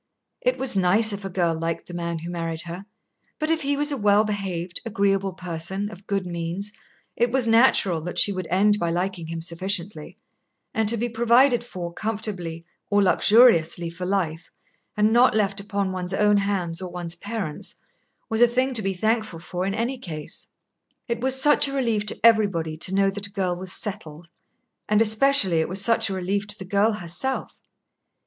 It was nice if a girl liked the man who married her, but if he was a well behaved, agreeable person, of good means, it was natural that she would end by liking him sufficiently; and to be provided for comfortably or luxuriously for life, and not left upon one's own hands or one's parents', was a thing to be thankful for in any case. It was such a relief to everybody to know that a girl was "settled," and especially it was such a relief to the girl herself.